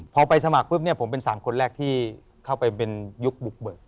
พอไปสมัครเรุ่งเนี่ยผมเป็นสามคนแรกที่เข้าไปยุคดุกเบิร์น